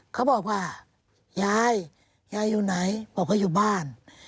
เขาบอกว่ายายยายอยู่ไหนบอกเขาอยู่บ้าน